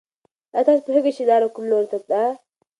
ایا تاسې پوهېږئ چې لاره کوم لوري ته ده؟